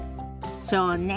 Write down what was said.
そうね。